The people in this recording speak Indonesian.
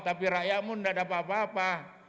tapi rakyat pun enggak dapat apa apa